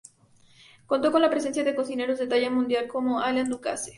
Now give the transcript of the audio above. Contó con la presencia de cocineros de talla mundial como Alain Ducasse.